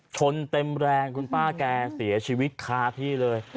ชนเต็มแรงคุณป้าแกเสียชีวิตคาที่เลย